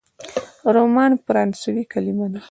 رومان فرانسوي کلمه ده.